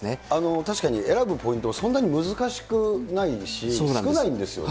確かに選ぶポイントはそんなに難しくないし、少ないんですよね。